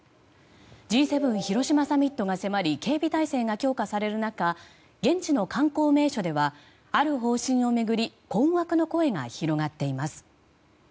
Ｇ７広島サミットが迫り警備体制が強化される中現地の観光名所ではある方針を巡り困惑の声が広がっています。